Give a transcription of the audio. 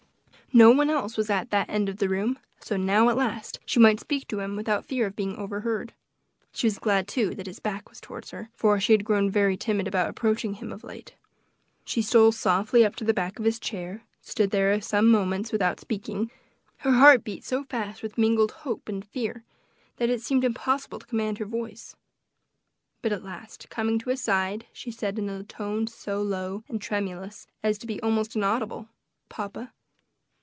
No one else was at that end of the room, so now, at last, she might speak to him without fear of being overheard. She was glad, too, that his back was towards her, for she had grown very timid about approaching him of late. She stole softly up to the back of his chair, and stood there for some moments without speaking; her heart beat so fast with mingled hope and fear, that it seemed impossible to command her voice. But at last, coming to his side, she said, in a tone so low and tremulous as to be almost inaudible, "Papa."